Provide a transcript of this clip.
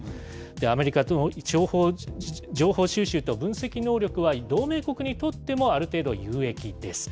アメリカの情報収集と分析能力は同盟国にとってもある程度有益です。